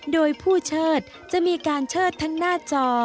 โดยผู้เชิดจะมีการเชิดทั้งหน้าจอ